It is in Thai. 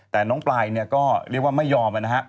แต่น้องปลายก็เรียกว่าไม่ยอมแล้วนะฮะ